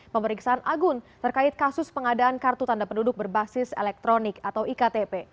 pemeriksaan agun terkait kasus pengadaan kartu tanda penduduk berbasis elektronik atau iktp